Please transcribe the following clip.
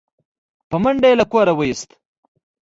په منډه يې له کوره و ايست